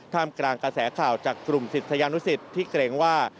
กลางกระแสข่าวจากกลุ่มศิษยานุสิตที่เกรงว่า